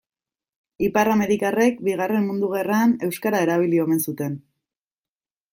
Ipar-amerikarrek Bigarren Mundu Gerran euskara erabili omen zuten.